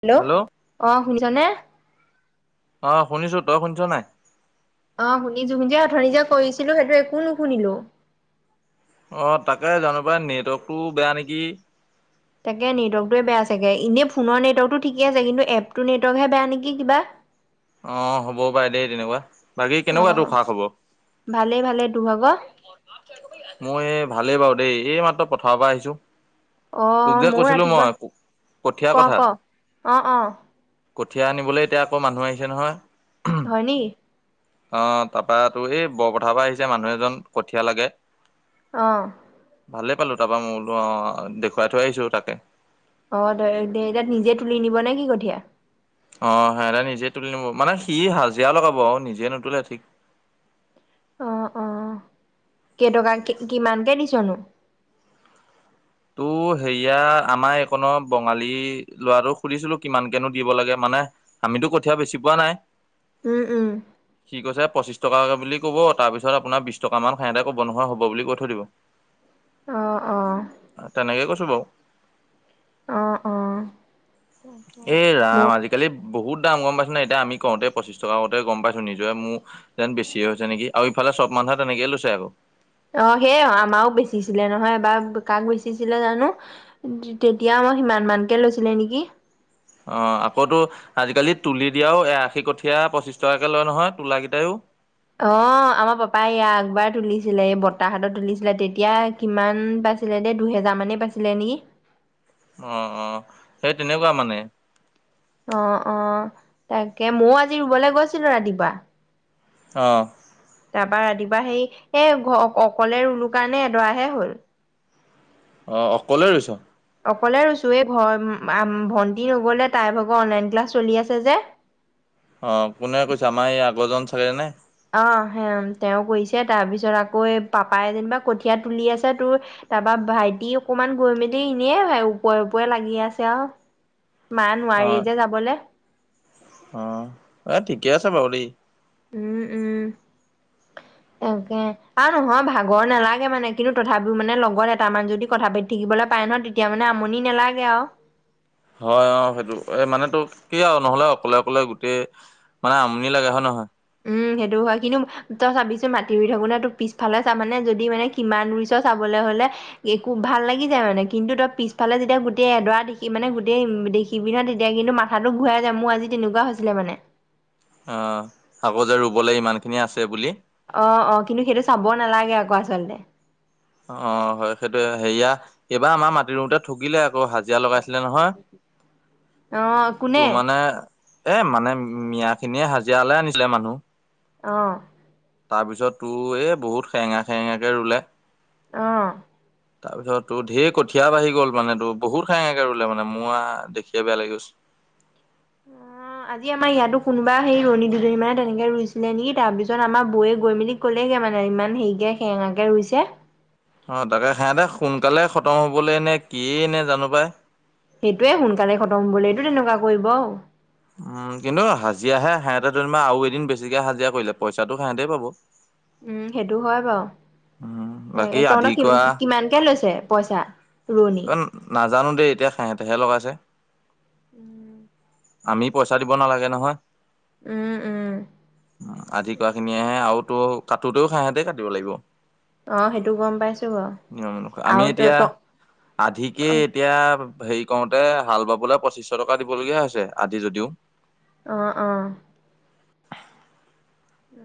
Hello, অহ শুনিছা নে অ শুনিছো, তই শুনিছ নাই? অঁ শুনিছো, অথনি যে কৰিছিলো সেইটো একো নুশুনিলো। অঁ তাকে জানো পাই নেটৱৰ্কতটো বেয়া নেকি। তাকে নেটৱৰ্কটোৱে বেয়া চাগে, এনেই ফোনৰ নেটৱৰ্কটো ঠিকে আছে কিন্তু এপটোৰ নেটৱৰ্কহে বেয়া নেকি কিবা? [inaudible] অঁ হ'ব পাৰে দেই তেনেকুৱা, বাকী অ কেনেকুৱা তোৰ খা খবৰ? ভালেই ভালেই টো ভাগ? মো এই ভালেই বাৰু দেই এই মাত্ৰ পথাৰৰ পা আহিছো। অ তোক যে ময়ো কৈছিলো ৰাতিপুৱা মই কঠিয়াৰ ক কথা। ক অ অ কঠীয়া আনিবলে এতিয়া আকৌ মানুহ আহিছে নহয়। হয় নি? অঁ তাপা টো সেই বৰ পথাৰ পা আহিছে মানুহ এজন কঠীয়া লাগে। অঁ' ভালেই পালোঁ তাপা মোবোলো অঁ দেখুৱাই থৈ আহিছো তাকে। অঁ ধেইজে নিজে তুলি নিব নে কি কঠীয়া? অঁ সিহতে নিজে তুলি নিব মানে সি হাজিৰা লগাব আও নিজে নুতলে ঠিক- অঁ অঁ কেইটকা কি কিমানকে দিছনো? টো হেৰীয়া আমাৰ এইকণ বঙালী ল'ৰাটোক সুধিছিলো কিমানকে নো দিব লাগে মানে- আমিতো কঠীয়া বেছি পোৱা নাই। উম উম' সি কৈছে পঁচিশ টকাকে বুলি ক'ব তাৰপিছত আপোনাৰ বিছ টকামান সেহেতে ক'ব নহয় হ'ব বুলি কৈ থৈ দিব। অঁ অঁ' তেনেকে কৈছো বাৰু। অঁ অঁ' এই ৰাম আজি- কালি বহুত দাম গম পাইছনে নাই এতিয়া আমি কওঁতে পঁচিশ টকা কওঁতে গম পাইছো নিজৰে মো- যেন বেছি হৈছে নেকি। আৰু ইফালে চব মানুহে তেনেকেই লৈছে আক। অঁ সে আও আমাও বেচিছিলে নহয় এবাৰ কাক বেচিছিলে জানো? তেতিয়া মই আমা সিমান মানকে লৈছিলে নেকি। অঁ আকৌতো আজিকালি তুলি দিয়াও এ আশী কঠীয়া পঁচিছ টকাকে লয় নহয় তোলাকেইটায়ো। অঁ আমাৰ পাপাই এই আকবাৰ তুলিছিলে এই বত্তাহত তুলিছিলে তেতিয়া- কিমান পাইছিলে দেই দুহেজা মানেই পাইছিলে নেকি। অঁ অঁ' সেই তেনেকুৱা মানে। অঁ অঁ তাকে ময়ো আজি ৰুবলে গৈছিলো ৰাতিপুৱা। অঁ' তাপা ৰাতিপুৱা সেই এ অকলে ৰুলো কাৰণে এডৰাহে হল। অঁ অকলে ৰুইছ। অকলে ৰুইছো এই ভন্টি ৰুবলে তাইৰ ভাগ অনলাইন ক্লাছ চলি আছে যে। অঁ কোনে কৈছে আমাৰ এই আগৰজন চাগে নে। অঁহ সে তেওঁ কৰিছে তাৰ পিছত আকৌ এই পাপাই যেনিবা কঠীয়া তুলি আছে তোৰ- তাপা ভাইটি অকমান গৈ মেলি এনেই ওপৰে ওপৰে লাগি আছে আও। মা নোৱাৰি যে যাবলে। অঁ এই ঠিকে আছে বাৰু দেই। উম' উম' তাকে আৰু নহয় ভাগৰ নালাগে মানে কিন্তু তথাপিও মানে লগত এটামান যদি কথা পাতি থাকিবলে পায় নহয় তেত- তিয়া মানে আমনি নালাগে আও। হয় অ সেইটো এ মানে তো কি আৰু নহ'লে অকলে অকলে গোটেই মানে আমনি লাগে হয় নহয় উম সেইটো হয় কিন্তু তই চাবিছোন মাটি ৰুই থাকোতে তোৰ পিছফালে চাবানে যদি মানে কিমান ৰুইছ চাবলৈ হ'লে একো ভাল লাগি যায় মানে কিন্তু তই পিছফালে যেতিয়া গোটেই এডৰা দেখি মানে গোটেই দেখি কিবি ন তেতিয়া কিন্তু মাথাটো ঘূৰাই যায় মো আজি তেনেকুৱা হৈছিলে মানে অ আকৌ যে ৰুবলে ইমানখিনি আছে বুলি অ অ কিন্তু সেইটো চাব নালাগে আকৌ আচলতে অ হয় সেইটোয়ে হেইয়া এইবাৰ আমাৰ মাটি ৰুওতে ঠগিলে আকৌ হা জীয়া লগাইছিলে নহয় অ কোনে তোৰ মানে এ মানে মিয়া খিনিয়ে হাজিয়ালে আনিছিলে মানুহ অ তাৰপিছত তোৰ এই বহুত সেৰেঙা সেৰেঙাকে ৰুলে অ তাৰপিছত তোৰ ধেৰ কঠীয়া বাঢ়ি গল মানে তোৰ বহুত সেৰেঙা কে ৰুলে মানে মো আ দেখিয়ে বেয়া লাগি গৈছে অ অ আজি আমাৰ ইয়াতো কোনোবা সেই ৰুৱনী দুজনী মানে তেনেকে ৰুইছিলে নেকি তাৰ পিছত আমাৰ বৌয়ে গৈ মেলি কলেগে মানে ইমান হেৰিকে সেৰেঙাকে ৰুইছে অ তাকে সেহঁতে সোনকালে খতম হ'বলৈ নে কিয়ে নে জানো পাই সেইটোৱে সোনকালে খতম হবলৈটো তেনেকুৱা কৰিব উম কিন্তু হাজিৰা হে সাঁত' দুনিমান আৰু এদিন বেছিকে হাজিৰা কৰিলে পইচাটো সেতেই পাব [inaudible] উম সেইটো হয় বাঅ উম বাকী তহঁতক আধি কি কৰা কিমানকে লৈছে পইচা? ৰোৱনী ইমান নাজানো দেই এতিয়া সেহেতেহে লগাইছে আমি পইচা দিব নালাগে নহয় উম উম আদি কোৱা খিনিয়েহে আওতো কটোতেও সাহঁা তেই কাটিব লাগিব অ সেইটো গম পাইছো বাৰু নিয়ম এনেকোৱা আমি আৰু ত এতিয়া ত আধিকে এতিয়া হেৰি কওতে হাল বাবলে পঁচিছশ টকা দিবলগীয়া হৈছে আজি যদিও অ অ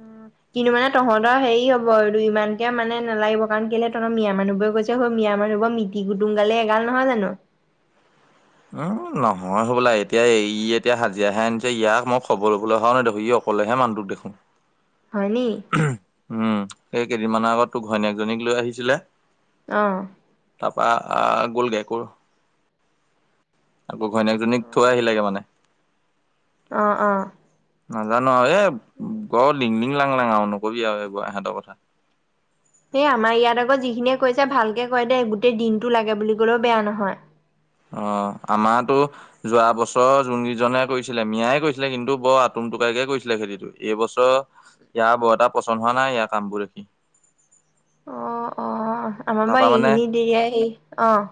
অ কিন্তু মানে তহঁতৰ হেৰি হব এইটো ইমানকে মানে নালাগিব কাৰণ কেলে তহঁত মিয়া মানুহবোৰে গৈছ ছে মিয়া মানুহবোঅ মিতি-গুটুম গালে এগাল নহয় জানো উম নহয় হ'বলা এতিয়া এই ই এতিয়া হাজিয়া হে আনিছে ইয়াক মই খবৰ লবলৈ অহাও মাই দেখোন ইয়ক ক'লেহে মানুহটোক দেখোন হয়নি উম এই কেইদিনমানৰ আগত তোক ঘৈণীয়েকজনীক লৈ আহিছিলে অ তাপা গ'লগে আকৌৰ আকৌ ঘৈণীয়েকজনীক থৈ আহিলেগে মানে অ অ নাজানো আও এ গ লিং লিং- লাং লাং আঅ নকবি আৰৱ এই এহেতৰ কথা এই আমাৰ ইয়াত আকৌ যিখিনিয়ে কৈছে ভালকে কয় দে গোটেই দিনটো লাগে বুলি ক'লেও বেয়া নহয় অ আমাৰটো যোৱা বছৰ যোনকেইজনে কৰিছিলে মিয়াই কৰিছিলে কিন্তু বৰ আতুম টোকাৰিকে কৰিছিলে খেতিটো এইবছৰ ইয়াৰ বৰ এটা পচন্দ হোৱা নাই ইাৰ কাম বোৰ দেখি অ অ আমাৰ তাৰপা বাৰ এইখিনি দেৰিয়াই স অ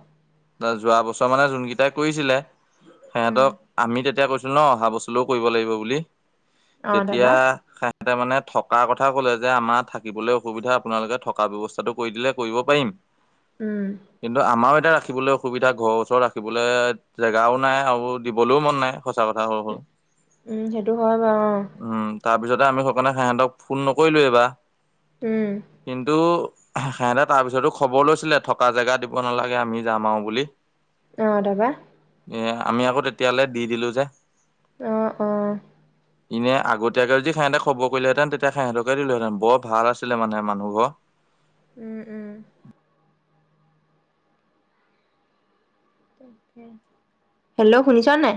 ত যোৱা বছৰ মানে যোন কেইটাই কৰিছিলে উম, সিহঁতক আমি তেতিয়া কৈছিলোঁ ন অহা বছৰ লো কৰিব লাগিব বুলি অ', তেতিয়া তাৰপা ইতে মানে থকা কথা কলে যে আমাৰ থাকিবলৈ অসুবিধা আপোনালোকে থকা ব্যয়ৱস্থাটো কৰি দিলে কৰিব উম, আমাৰ এতিয়া ৰাখিবলে সসুবিধা ঘৰৰ ওচৰত ৰাখিবলৈ জেগাও নাই আৰু দিবলৈও মন নাই সঁচা কথা হব হল উম, সেইটো হয় বাৰু অ', উম তাৰপিছতে আমি সকে সাইহঁতক ফোন নকৰিলোৱঁ ইবাৰ উম, কিন্তু সেহঁতে তাৰ পিছতো খবৰ লৈছিলে থকা জেগা দিব নালাগে আমি যাম আৰু বুলি অ দাবা এ আমি আকৌ তেতিয়ালৈ দি দিলো যে অ অ এনে আগতীয়াকে যদি সিহঁতে খবৰ কৰিলেহেতেন তেতিয়া সিহঁতকে দিলোহেতেন বৰ ভাল আছিলে মানে মানুহ ঘৰ উম উম হেল্ল' শুনিছ নাই